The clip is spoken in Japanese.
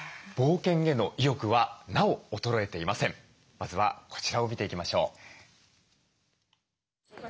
まずはこちらを見ていきましょう。